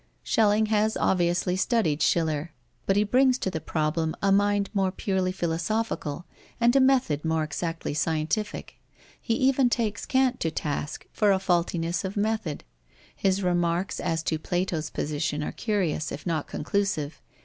Schelling has obviously studied Schiller, but he brings to the problem a mind more purely philosophical and a method more exactly scientific. He even takes Kant to task for faultiness of method. His remarks as to Plato's position are curious, if not conclusive.